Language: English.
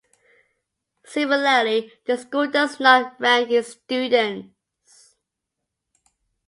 Similarly, the school does not rank its students.